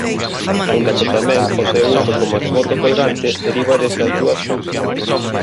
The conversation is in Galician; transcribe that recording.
Aínda que tamén o seu uso como exvoto colgante deriva destas dúas fontes.